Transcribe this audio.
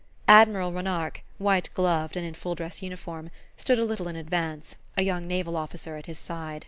Admiral Ronarc'h, white gloved and in full dress uniform, stood a little in advance, a young naval officer at his side.